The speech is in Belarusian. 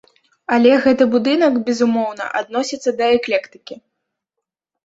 Але гэты будынак, безумоўна, адносіцца да эклектыкі.